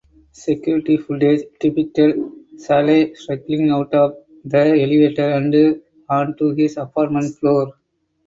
Security footage depicted Saleh struggling out of the elevator and onto his apartment floor.